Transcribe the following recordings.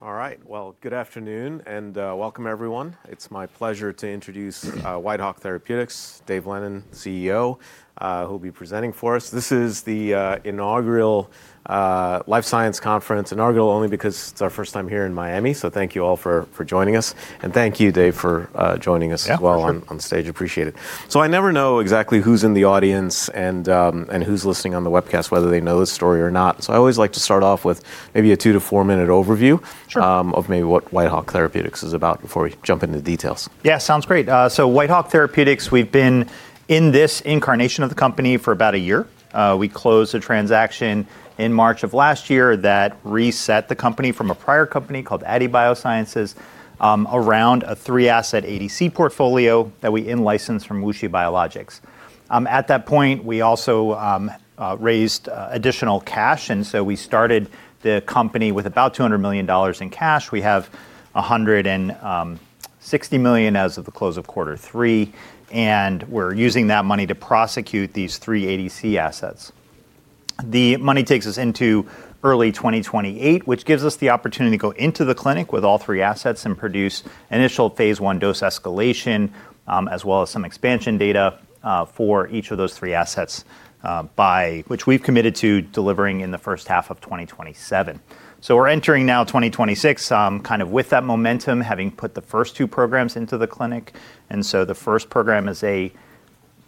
All right. Well, good afternoon and welcome everyone. It's my pleasure to introduce Whitehawk Therapeutics, Dave Lennon, CEO, who'll be presenting for us. This is the Inaugural Life Sciences Conference. Inaugural only because it's our first time here in Miami, so thank you all for joining us, and thank you, Dave, for joining us. Yeah, for sure. As well on stage. Appreciate it. I never know exactly who's in the audience and who's listening on the webcast, whether they know this story or not, so I always like to start off with maybe a two-four-minute overview. Sure. Of maybe what Whitehawk Therapeutics. is about before we jump into details. Yeah. Sounds great. Whitehawk Therapeutics, we've been in this incarnation of the company for about a year. We closed a transaction in March of last year that reset the company from a prior company called Aadi Bioscience, around a three-asset ADC portfolio that we in-licensed from WuXi Biologics. At that point, we also raised additional cash, and so we started the company with about $200 million in cash. We have $160 million as of the close of Q3, and we're using that money to prosecute these three ADC assets. The money takes us into early 2028, which gives us the opportunity to go into the clinic with all three assets and produce initial phase I dose escalation, as well as some expansion data, for each of those three assets, by which we've committed to delivering in the first half of 2027. We're entering now 2026, kind of with that momentum, having put the first two programs into the clinic. The first program is a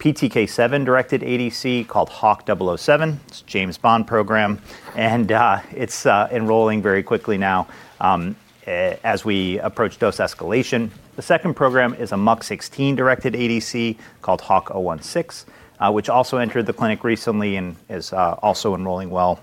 PTK7-directed ADC called HWK-007. It's James Bond program, and it's enrolling very quickly now, as we approach dose escalation. The second program is a MUC16-directed ADC called HWK-016, which also entered the clinic recently and is also enrolling well,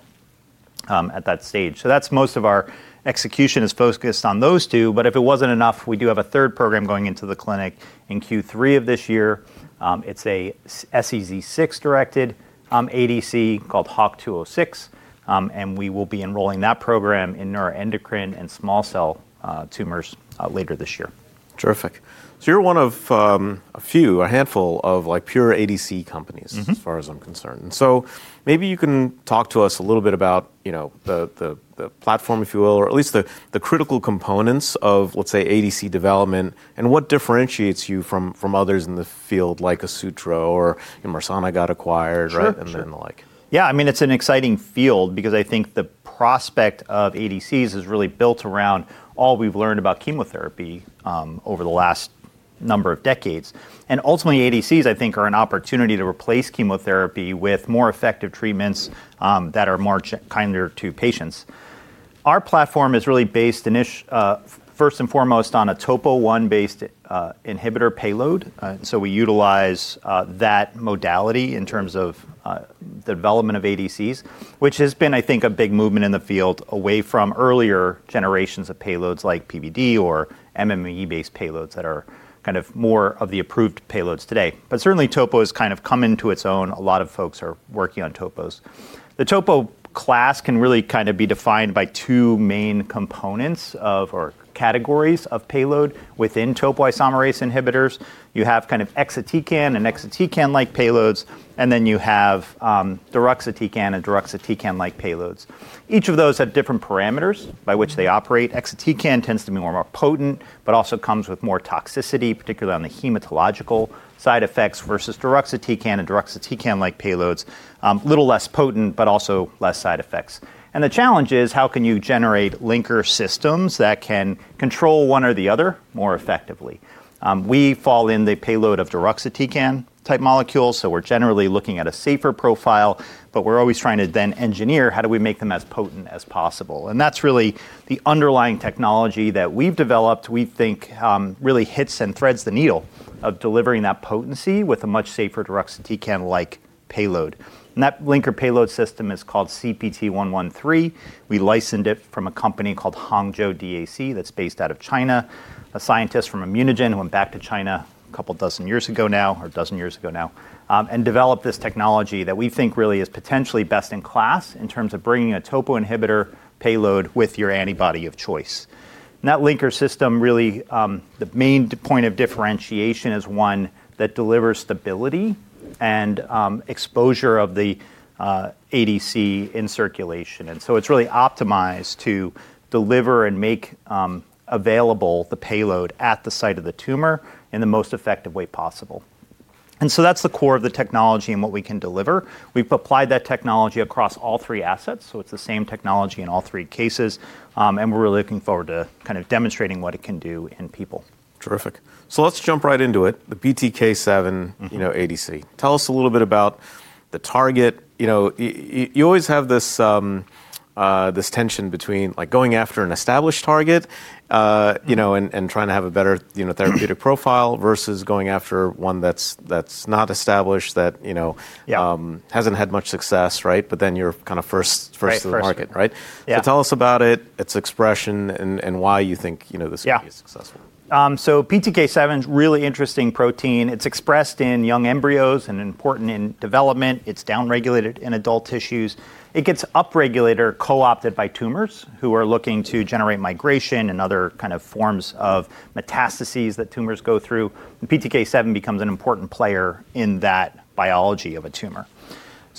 at that stage. That's most of our execution is focused on those two, but if it wasn't enough, we do have a third program going into the clinic in Q3 of this year. It's a SEZ6-directed ADC called HWK-206, and we will be enrolling that program in neuroendocrine and small-cell tumors later this year. Terrific. You're one of a few, a handful of, like, pure ADC companies as far as I'm concerned. Maybe you can talk to us a little bit about, you know, the platform, if you will, or at least the critical components of, let's say, ADC development and what differentiates you from others in the field, like Sutro or Mersana got acquired, right? Sure, sure. And the like. Yeah, I mean, it's an exciting field because I think the prospect of ADCs is really built around all we've learned about chemotherapy over the last number of decades. Ultimately, ADCs, I think, are an opportunity to replace chemotherapy with more effective treatments that are more kinder to patients. Our platform is really based in it first and foremost on a topoisomerase 1-based inhibitor payload. We utilize that modality in terms of the development of ADCs, which has been, I think, a big movement in the field away from earlier generations of payloads like PBD or MMAE-based payloads that are kind of more of the approved payloads today. Certainly topo has kind of come into its own. A lot of folks are working on topos. The topo class can really kinda be defined by two main components or categories of payload within topoisomerase inhibitors. You have kind of exatecan and exatecan-like payloads, and then you have deruxtecan and deruxtecan-like payloads. Each of those have different parameters by which they operate. Exatecan tends to be more potent, but also comes with more toxicity, particularly on the hematological side effects versus deruxtecan and deruxtecan-like payloads, little less potent, but also less side effects. The challenge is: How can you generate linker systems that can control one or the other more effectively? We fall in the payload of deruxtecan type molecules, so we're generally looking at a safer profile, but we're always trying to then engineer how do we make them as potent as possible. That's really the underlying technology that we've developed, we think, really hits and threads the needle of delivering that potency with a much safer deruxtecan-like payload. That linker payload system is called CPT-113. We licensed it from a company called Hangzhou DAC that's based out of China. A scientist from ImmunoGen went back to China a couple dozen years ago now, or a dozen years ago now, and developed this technology that we think really is potentially best in class in terms of bringing a topo inhibitor payload with your antibody of choice. That linker system really, the main point of differentiation is one that delivers stability and, exposure of the ADC in circulation. It's really optimized to deliver and make available the payload at the site of the tumor in the most effective way possible. That's the core of the technology and what we can deliver. We've applied that technology across all three assets, so it's the same technology in all three cases, and we're really looking forward to kind of demonstrating what it can do in people. Terrific. Let's jump right into it, the PTK7. You know, ADC. Tell us a little bit about the target. You know, you always have this tension between, like, going after an established target, you know, and trying to have a better, you know, therapeutic profile versus going after one that's not established that, you know— Yeah. Hasn't had much success, right? You're kind of first— Right, first, yeah. First to the market, right? Yeah. Tell us about it, its expression, and why you think, you know, this— Yeah. Could be successful. PTK7's really interesting protein. It's expressed in young embryos and important in development. It's downregulated in adult tissues. It gets upregulated or co-opted by tumors who are looking to generate migration and other kind of forms of metastases that tumors go through, and PTK7 becomes an important player in that biology of a tumor.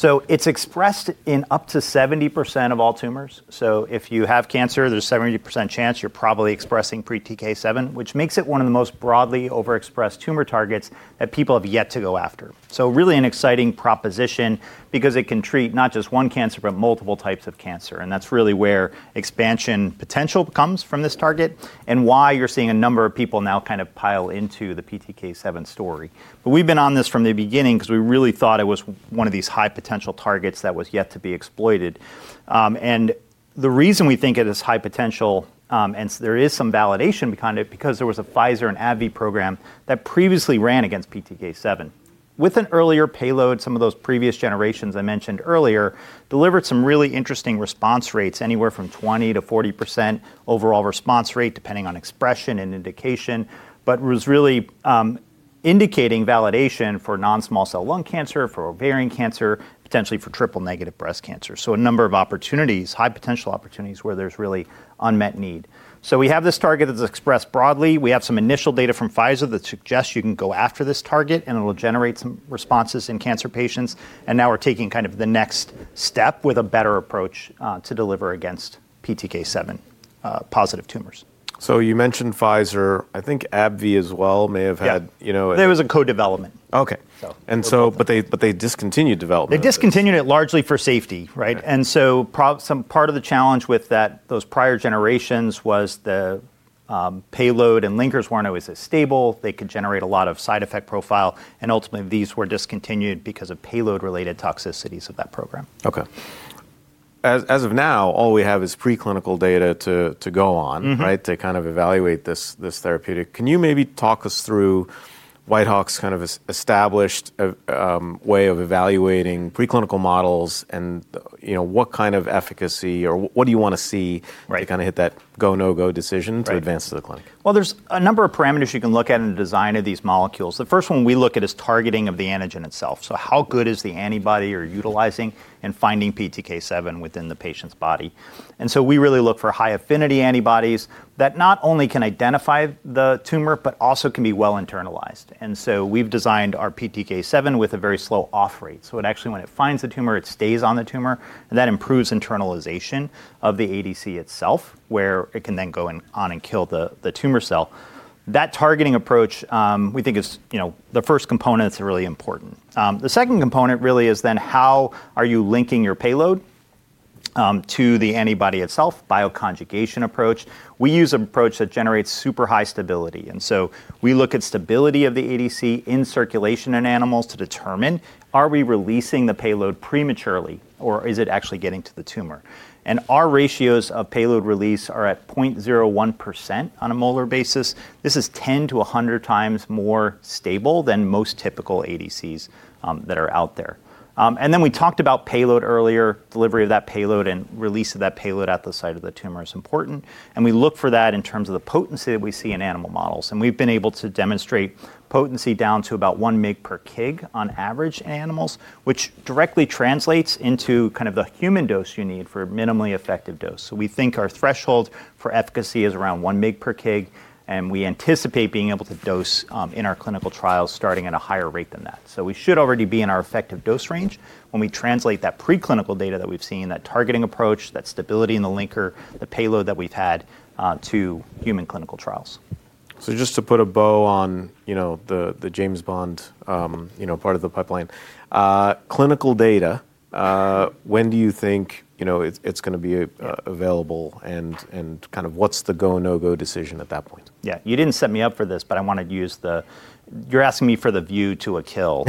It's expressed in up to 70% of all tumors. If you have cancer, there's a 70% chance you're probably expressing PTK7, which makes it one of the most broadly overexpressed tumor targets that people have yet to go after. Really an exciting proposition because it can treat not just one cancer, but multiple types of cancer. That's really where expansion potential comes from this target and why you're seeing a number of people now kind of pile into the PTK7 story. We've been on this from the beginning because we really thought it was one of these high potential targets that was yet to be exploited. The reason we think it is high potential, and there is some validation behind it, because there was a Pfizer and AbbVie program that previously ran against PTK7. With an earlier payload, some of those previous generations I mentioned earlier delivered some really interesting response rates, anywhere from 20%-40% overall response rate, depending on expression and indication, but was really indicating validation for non-small cell lung cancer, for ovarian cancer, potentially for triple negative breast cancer. A number of opportunities, high potential opportunities where there's really unmet need. We have this target that's expressed broadly. We have some initial data from Pfizer that suggests you can go after this target, and it'll generate some responses in cancer patients. Now we're taking kind of the next step with a better approach to deliver against PTK7-positive tumors. You mentioned Pfizer. I think AbbVie as well may have had, you know. Yeah. There was a co-development. Okay. So. But they discontinued development. They discontinued it largely for safety, right? Okay. Some part of the challenge with that, those prior generations was the payload and linkers weren't always as stable. They could generate a lot of side effect profile, and ultimately, these were discontinued because of payload-related toxicities of that program. Okay. As of now, all we have is preclinical data to go on. Right? To kind of evaluate this therapeutic. Can you maybe talk us through Whitehawk's kind of established way of evaluating preclinical models and, you know, what kind of efficacy or what do you wanna see? Right To kinda hit that go, no-go decision. Right To advance to the clinic? Well, there's a number of parameters you can look at in the design of these molecules. The first one we look at is targeting of the antigen itself. How good is the antibody you're utilizing in finding PTK7 within the patient's body? We really look for high affinity antibodies that not only can identify the tumor, but also can be well internalized. We've designed our PTK7 with a very slow off rate. It actually, when it finds the tumor, it stays on the tumor, and that improves internalization of the ADC itself, where it can then go on and kill the tumor cell. That targeting approach, we think is, you know, the first component that's really important. The second component really is then how are you linking your payload to the antibody itself, bioconjugation approach. We use an approach that generates super high stability, and so we look at stability of the ADC in circulation in animals to determine, are we releasing the payload prematurely, or is it actually getting to the tumor? Our ratios of payload release are at 0.01% on a molar basis. This is 10x-100x more stable than most typical ADCs that are out there. We talked about payload earlier, delivery of that payload and release of that payload at the site of the tumor is important, and we look for that in terms of the potency that we see in animal models. We've been able to demonstrate potency down to about 1 mg/kg on average in animals, which directly translates into kind of the human dose you need for a minimally effective dose. We think our threshold for efficacy is around 1 mg/kg, and we anticipate being able to dose in our clinical trials starting at a higher rate than that. We should already be in our effective dose range when we translate that preclinical data that we've seen, that targeting approach, that stability in the linker, the payload that we've had, to human clinical trials. Just to put a bow on, you know, the James Bond part of the pipeline, clinical data, when do you think, you know, it's gonna be available and kind of what's the go/no-go decision at that point? Yeah. You didn't set me up for this, but you're asking me for the "view to a kill."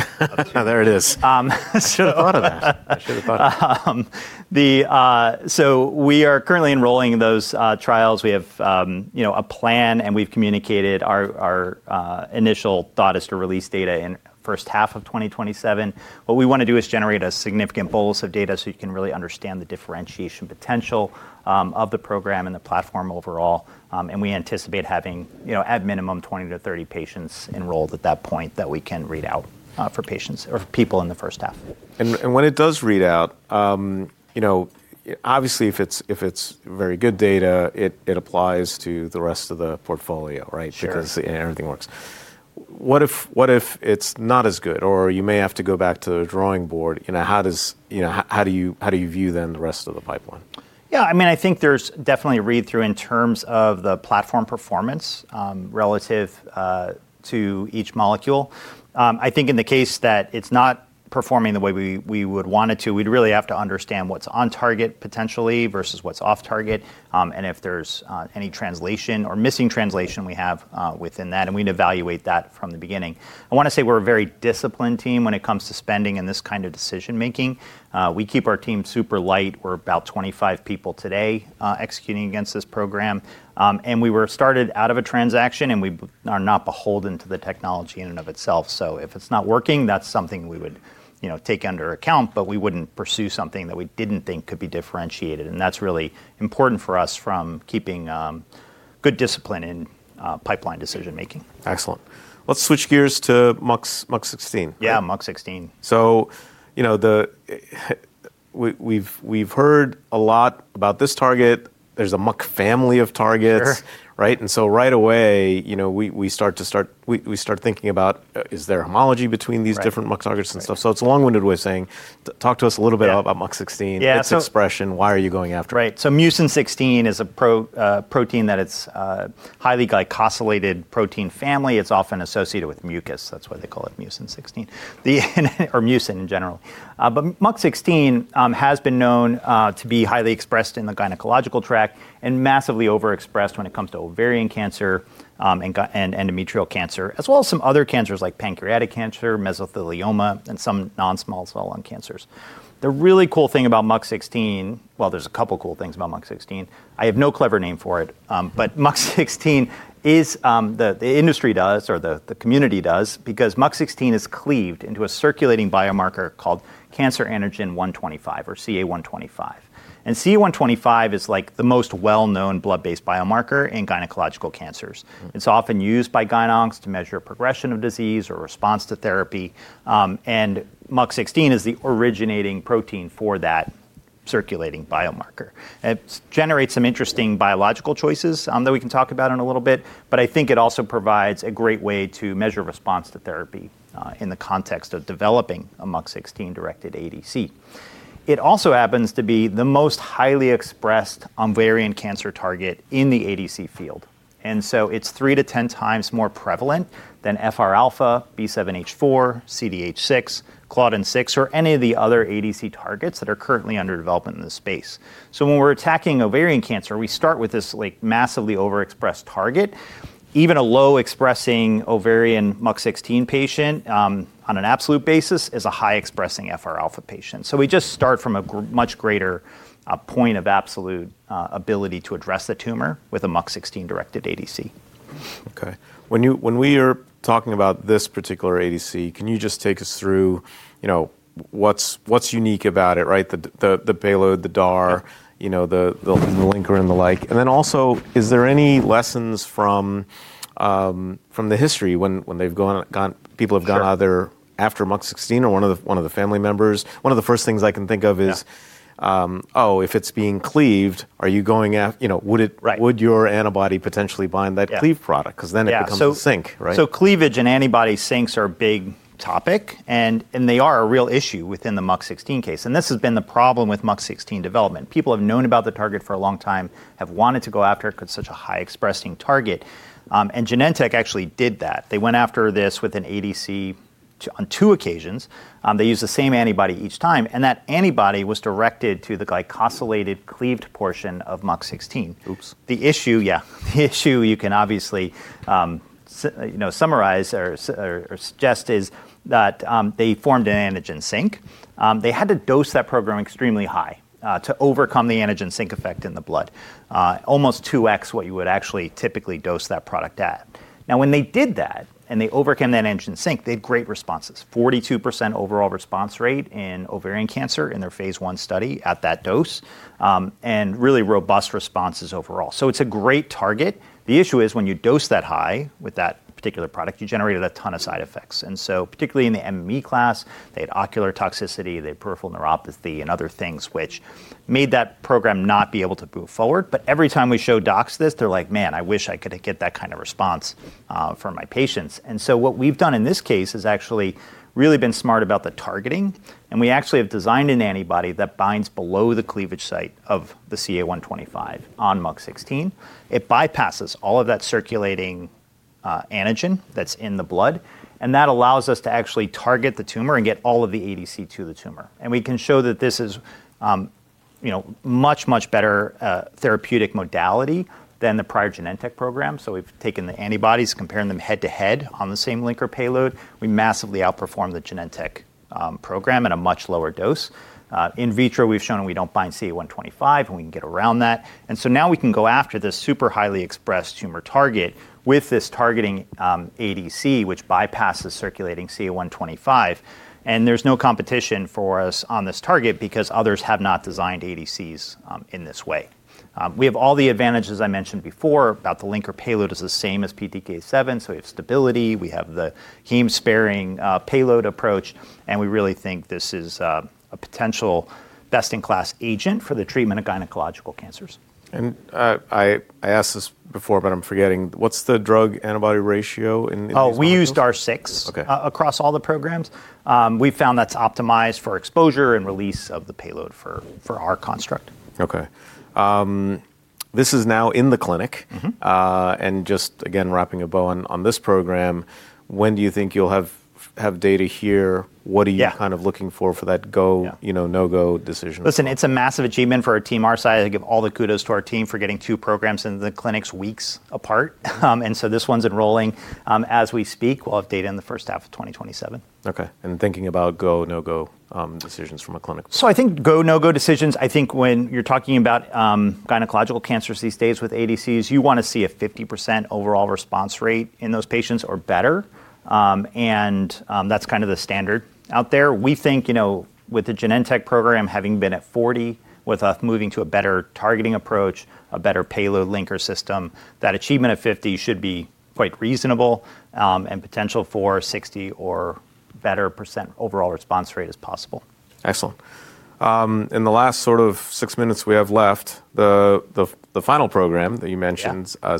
There it is. I should've thought of that. I should've thought of that. We are currently enrolling those trials. We have, you know, a plan, and we've communicated our initial thought is to release data in first half of 2027. What we wanna do is generate a significant bolus of data so you can really understand the differentiation potential of the program and the platform overall. We anticipate having, you know, at minimum 20-30 patients enrolled at that point that we can read out for patients or for people in the first half. When it does read out, you know, obviously, if it's very good data, it applies to the rest of the portfolio, right? Sure. Because everything works. What if it's not as good, or you may have to go back to the drawing board? You know, how do you view then the rest of the pipeline? Yeah, I mean, I think there's definitely a read-through in terms of the platform performance, relative to each molecule. I think in the case that it's not performing the way we would want it to, we'd really have to understand what's on target potentially versus what's off target, and if there's any translation or missing translation we have within that, and we'd evaluate that from the beginning. I wanna say we're a very disciplined team when it comes to spending and this kind of decision-making. We keep our team super light. We're about 25 people today, executing against this program. We were started out of a transaction, and we are not beholden to the technology in and of itself. If it's not working, that's something we would, you know, take into account, but we wouldn't pursue something that we didn't think could be differentiated. That's really important for us for keeping good discipline in pipeline decision-making. Excellent. Let's switch gears to MUC16. Yeah, MUC16. You know, we've heard a lot about this target. There's a MUC family of targets. Sure. Right? Right away, you know, we start thinking about, is there homology between these? Right. Different MUC targets and stuff. It's a long-winded way of saying talk to us a little bit about MUC16. Yeah. Its expression, why are you going after it? Right. Mucin 16 is a protein that it's a highly glycosylated protein family. It's often associated with mucus. That's why they call it Mucin 16, or mucin in general. But MUC16 has been known to be highly expressed in the gynecological tract and massively overexpressed when it comes to ovarian cancer, and endometrial cancer, as well as some other cancers like pancreatic cancer, mesothelioma, and some non-small cell lung cancers. The really cool thing about MUC16, well, there's a couple cool things about MUC16. I have no clever name for it, but the industry or the community does because MUC16 is cleaved into a circulating biomarker called cancer antigen 125 or CA-125. CA-125 is like the most well-known blood-based biomarker in gynecological cancers. It's often used by gyn-oncs to measure progression of disease or response to therapy. MUC16 is the originating protein for that circulating biomarker. It generates some interesting biological choices that we can talk about in a little bit, but I think it also provides a great way to measure response to therapy in the context of developing a MUC16-directed ADC. It also happens to be the most highly expressed ovarian cancer target in the ADC field, and so it's 3x-10x more prevalent than FRα, B7H4, CDH6, claudin-6, or any of the other ADC targets that are currently under development in the space. When we're attacking ovarian cancer, we start with this like massively overexpressed target. Even a low expressing ovarian MUC16 patient on an absolute basis is a high expressing FRα patient. We just start from a much greater point of absolute ability to address the tumor with a MUC16-directed ADC. Okay. When we are talking about this particular ADC, can you just take us through, you know, what's unique about it, right? The payload, the DAR, you know, the linker and the like. Also, is there any lessons from the history when people have gone? Sure. Either after MUC16 or one of the family members? One of the first things I can think of is— Yeah. If it's being cleaved, you know, would it— Right. Would your antibody potentially bind that cleaved product? Yeah. 'Cause then it becomes a sink, right? Cleavage and antibody sinks are a big topic and they are a real issue within the MUC16 case, and this has been the problem with MUC16 development. People have known about the target for a long time, have wanted to go after it 'cause such a high expressing target, and Genentech actually did that. They went after this with an ADC on two occasions. They used the same antibody each time, and that antibody was directed to the glycosylated cleaved portion of MUC16. Oops. The issue. Yeah. The issue you can obviously, you know, summarize or suggest is that, they formed an antigen sink. They had to dose that program extremely high, to overcome the antigen sink effect in the blood, almost 2x what you would actually typically dose that product at. Now, when they did that, and they overcame that antigen sink, they had great responses, 42% overall response rate in ovarian cancer in their phase I study at that dose, and really robust responses overall. It's a great target. The issue is when you dose that high with that particular product, you generated a ton of side effects. Particularly in the MMAE class, they had ocular toxicity, they had peripheral neuropathy, and other things which made that program not be able to move forward. Every time we show docs this, they're like, "Man, I wish I could get that kind of response for my patients." What we've done in this case is actually really been smart about the targeting, and we actually have designed an antibody that binds below the cleavage site of the CA-125 on MUC16. It bypasses all of that circulating antigen that's in the blood, and that allows us to actually target the tumor and get all of the ADC to the tumor. We can show that this is, you know, much, much better therapeutic modality than the prior Genentech program. We've taken the antibodies, comparing them head to head on the same linker payload. We massively outperform the Genentech program at a much lower dose. In vitro, we've shown we don't bind CA-125, and we can get around that. Now we can go after this super highly expressed tumor target with this targeting ADC, which bypasses circulating CA-125, and there's no competition for us on this target because others have not designed ADCs in this way. We have all the advantages I mentioned before about the linker payload is the same as PTK7, so we have stability, we have the heme-sparing payload approach, and we really think this is a potential best-in-class agent for the treatment of gynecological cancers. I asked this before, but I'm forgetting. What's the drug-antibody ratio in these molecules? Oh, we used DAR 6. Okay. Across all the programs. We found that's optimized for exposure and release of the payload for our construct. Okay. This is now in the clinic. Just again, wrapping a bow on this program, when do you think you'll have data here? What are you kind of looking for that go, you know, no-go decision from— Listen, it's a massive achievement for our team. Our side, I give all the kudos to our team for getting two programs into the clinics weeks apart. This one's enrolling as we speak. We'll have data in the first half of 2027. Okay. Thinking about go/no-go decisions from a clinical I think go/no-go decisions, I think when you're talking about gynecological cancers these days with ADCs, you wanna see a 50% overall response rate in those patients or better. That's kind of the standard out there. We think, you know, with the Genentech program having been at 40%, with us moving to a better targeting approach, a better payload linker system, that achievement of 50% should be quite reasonable, and potential for 60% or better overall response rate is possible. Excellent. In the last sort of six minutes we have left, the final program that you mentioned. Yeah.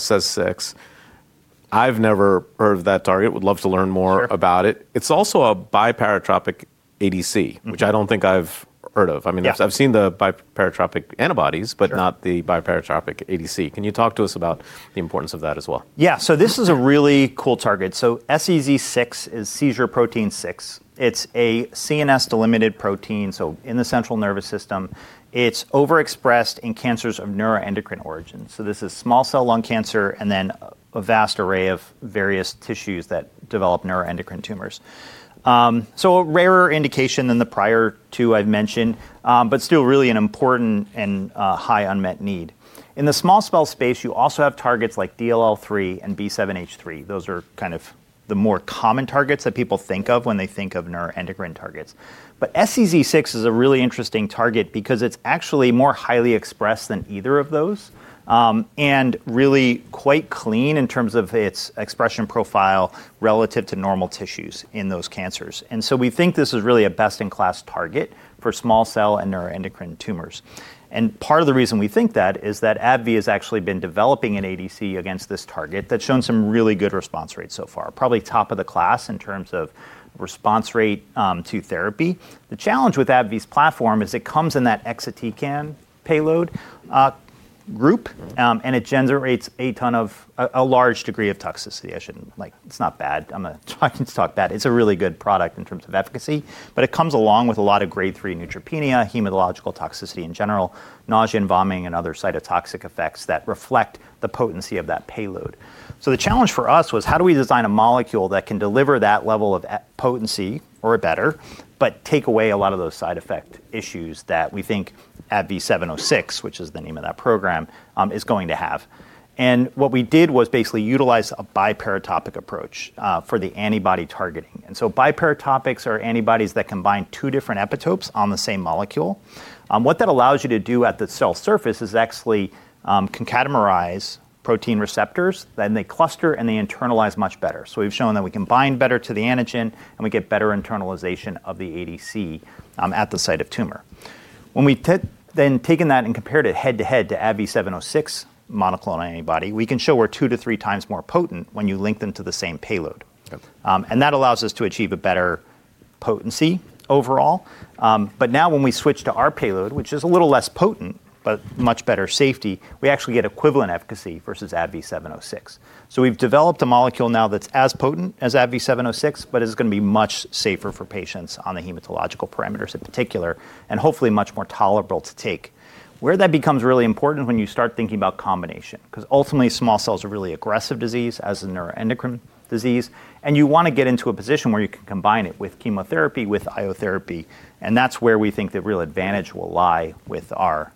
SEZ6. I've never heard of that target. Would love to learn more— Sure. About it. It's also a biparatopic ADC. Which I don't think I've heard of. I mean Yeah. I've seen the biparatopic antibodies. Sure. Not the biparatopic ADC. Can you talk to us about the importance of that as well? Yeah. This is a really cool target. SEZ6 is seizure protein 6. It's a CNS-delimited protein, so in the central nervous system. It's overexpressed in cancers of neuroendocrine origin. This is small cell lung cancer, and then a vast array of various tissues that develop neuroendocrine tumors. A rarer indication than the prior two I've mentioned, but still really an important and high unmet need. In the small cell space, you also have targets like DLL3 and B7-H3. Those are kind of the more common targets that people think of when they think of neuroendocrine targets. SEZ6 is a really interesting target because it's actually more highly expressed than either of those, and really quite clean in terms of its expression profile relative to normal tissues in those cancers. We think this is really a best-in-class target for small cell and neuroendocrine tumors. Part of the reason we think that is that AbbVie has actually been developing an ADC against this target that's shown some really good response rates so far, probably top of the class in terms of response rate, to therapy. The challenge with AbbVie's platform is it comes in that exatecan payload group. And it generates a ton of a large degree of toxicity. I shouldn't, like, it's not bad. I'm not talking bad. It's a really good product in terms of efficacy, but it comes along with a lot of Grade 3 neutropenia, hematological toxicity in general, nausea and vomiting, and other cytotoxic effects that reflect the potency of that payload. The challenge for us was how do we design a molecule that can deliver that level of potency or better, but take away a lot of those side effect issues that we think ABBV-706, which is the name of that program, is going to have. What we did was basically utilize a biparatopic approach for the antibody targeting. Biparatopics are antibodies that combine two different epitopes on the same molecule. What that allows you to do at the cell surface is actually concatamerize protein receptors, then they cluster, and they internalize much better. We've shown that we can bind better to the antigen, and we get better internalization of the ADC at the site of tumor. When we then taken that and compared it head-to-head to ABBV-706 monoclonal antibody, we can show we're 2x-3x more potent when you link them to the same payload. Okay. That allows us to achieve a better potency overall. Now when we switch to our payload, which is a little less potent, but much better safety, we actually get equivalent efficacy versus ABBV-706. We've developed a molecule now that's as potent as ABBV-706, but is gonna be much safer for patients on the hematological parameters in particular, and hopefully much more tolerable to take. Where that becomes really important when you start thinking about combination, 'cause ultimately, small cell's a really aggressive disease, as a neuroendocrine disease, and you wanna get into a position where you can combine it with chemotherapy, with IO therapy, and that's where we think the real advantage will lie with our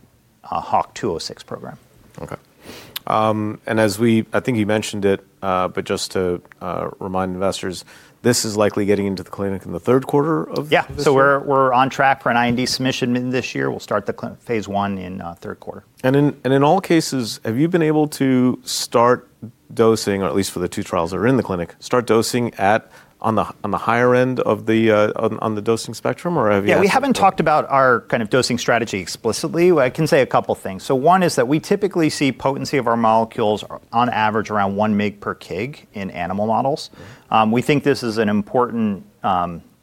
HWK-206 program. Okay. As we, I think you mentioned it, but just to remind investors, this is likely getting into the clinic in the third quarter of this year? Yeah. We're on track for an IND submission this year. We'll start phase I in third quarter. In all cases, have you been able to start dosing, or at least for the two trials that are in the clinic, start dosing on the higher end of the dosing spectrum, or have you? Yeah, we haven't talked about our kind of dosing strategy explicitly. I can say a couple things. One is that we typically see potency of our molecules on average around 1 mg/kg in animal models. We think this is an important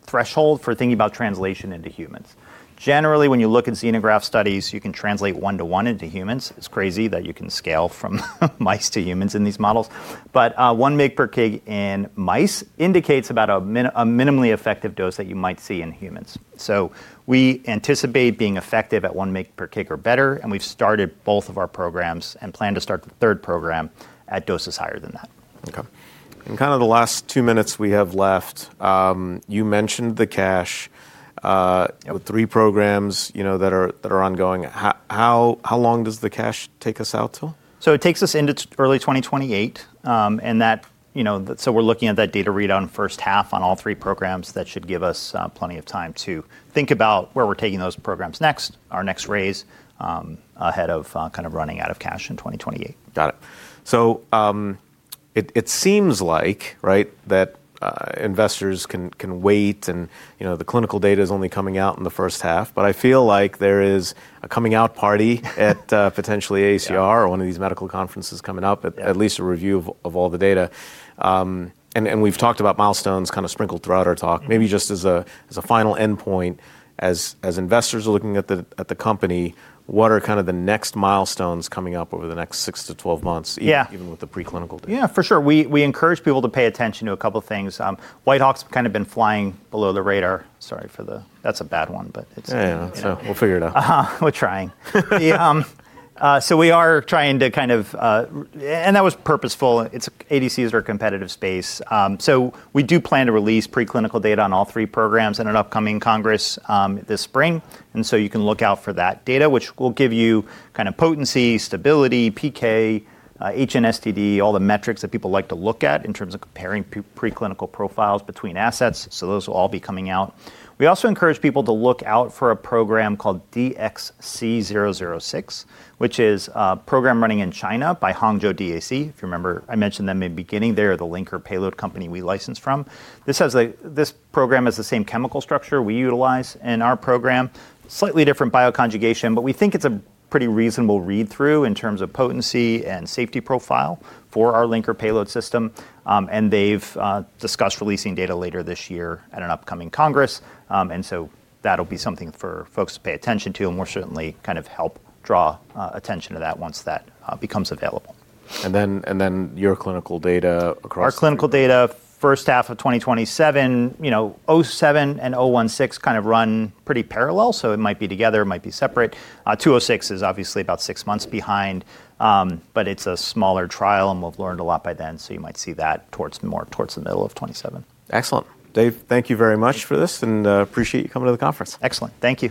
threshold for thinking about translation into humans. Generally, when you look in xenograft studies, you can translate one-to-one into humans. It's crazy that you can scale from mice to humans in these models. But, 1 mg/kg in mice indicates about a minimally effective dose that you might see in humans. We anticipate being effective at one mg/kg or better, and we've started both of our programs and plan to start the third program at doses higher than that. Okay. In kinda the last two minutes we have left, you mentioned the cash with three programs, you know, that are ongoing. How long does the cash take us out till? It takes us into early 2028. That, you know, we're looking at that data readout in first half of all three programs. That should give us plenty of time to think about where we're taking those programs next, our next raise, ahead of kind of running out of cash in 2028. Got it. It seems like, right, that investors can wait, and, you know, the clinical data is only coming out in the first half. I feel like there is a coming out party at potentially AACR. Yeah. One of these medical conferences coming up. Yeah. At least a review of all the data. We've talked about milestones kinda sprinkled throughout our talk. Maybe just as a final endpoint as investors are looking at the company, what are kinda the next milestones coming up over the next six to 12 months? Yeah. Even with the preclinical data? Yeah, for sure. We encourage people to pay attention to a couple things. Whitehawk's kinda been flying below the radar. Sorry, that's a bad one, but it's. Yeah, yeah. It's all right. We'll figure it out. We're trying. Yeah. We are trying to kind of, that was purposeful. It's ADCs are a competitive space. We do plan to release preclinical data on all three programs in an upcoming congress this spring, and you can look out for that data, which will give you kind of potency, stability, PK, H&STD, all the metrics that people like to look at in terms of comparing preclinical profiles between assets. Those will all be coming out. We also encourage people to look out for a program called DXC006, which is a program running in China by Hangzhou DAC. If you remember, I mentioned them in the beginning. They are the linker payload company we licensed from. This program has the same chemical structure we utilize in our program. Slightly different bioconjugation, but we think it's a pretty reasonable read-through in terms of potency and safety profile for our linker payload system. They've discussed releasing data later this year at an upcoming congress. That'll be something for folks to pay attention to, and we'll certainly kind of help draw attention to that once that becomes available. Your clinical data across— Our clinical data, first half of 2027. You know, HWK-007 and HWK-016 kind of run pretty parallel, so it might be together, it might be separate; 206 is obviously about six months behind, but it's a smaller trial, and we'll have learned a lot by then, so you might see that towards the middle of 2027. Excellent. Dave, thank you very much for this, and appreciate you coming to the conference. Excellent. Thank you.